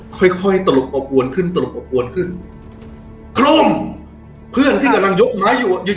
ค่อยตลกอบอวนขึ้นตลกอบอวนขึ้นเครื่องที่กำลังยกไม้อยู่